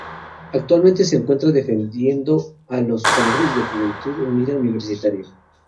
Actualmente se encuentra defendiendo los colores de Juventud Unida Universitario.